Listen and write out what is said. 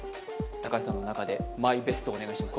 高橋さんの中でマイベストをお願いします